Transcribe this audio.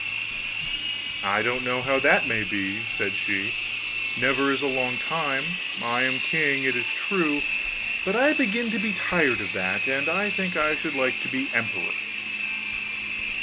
'I don't know how that may be,' said she; 'never is a long time. I am king, it is true; but I begin to be tired of that, and I think I should like to be emperor.